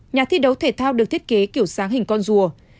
nhà thi đấu thể thao được thiết kế kiểu sáng hình con dùa